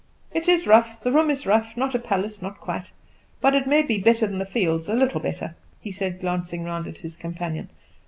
"It is rough, the room is rough; not a palace not quite. But it may be better than the fields, a little better!" he said, glancing round at his companion.